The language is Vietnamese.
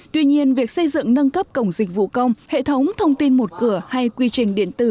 tuy nhiên việc xây dựng nâng cấp cổng dịch vụ công hệ thống thông tin một cửa hay quy trình điện tử